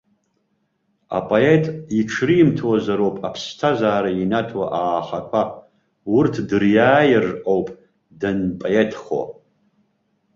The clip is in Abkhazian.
Апоет иҽримҭозароуп аԥсҭазаара инаҭо аахақәа, урҭ дыриааир ауп данпоетхо.